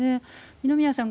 二宮さん